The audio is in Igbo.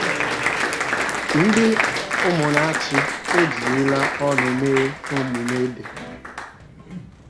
Ndị Umunnachi Ejirila Ọñụ Mee Emume Ede